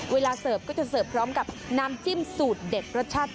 เสิร์ฟก็จะเสิร์ฟพร้อมกับน้ำจิ้มสูตรเด็ดรสชาติ